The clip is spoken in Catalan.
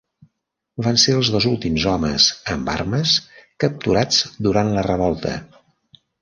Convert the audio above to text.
Van ser els dos últims homes amb armes capturats durant la revolta.